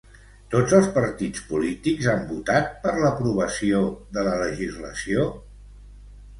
Tots els partits polítics han votat per l'aprovació de la legislació?